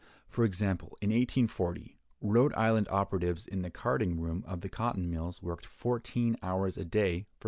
For example, in 1840, Rhode Island operatives in the carding room of the cotton mills worked fourteen hours a day for $3.